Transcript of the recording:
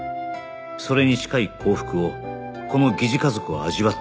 それに近い幸福をこの疑似家族は味わっていた